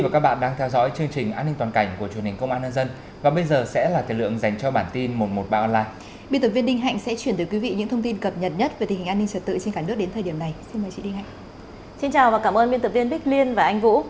chào mừng quý vị đến với bản tin một trăm một mươi ba online